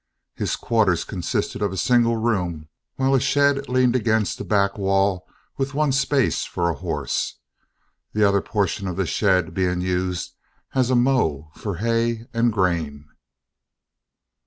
His quarters consisted of a single room while a shed leaned against the back wall with one space for a horse, the other portion of the shed being used as a mow for hay and grain.